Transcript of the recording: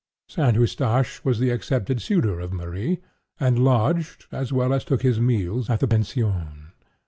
St. Eustache was the accepted suitor of Marie, and lodged, as well as took his meals, at the pension.